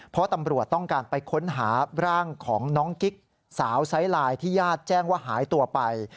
เพราะตำรวจต้องการไปค้นหาร่างของน้องกิ๊กสาวไซส์ไลน์ที่ญาติแจ้งว่าหายตัวไป